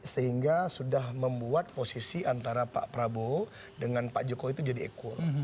sehingga sudah membuat posisi antara pak prabowo dengan pak jokowi itu jadi ekul